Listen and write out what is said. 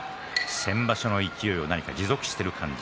先場所の勢いを持続しています。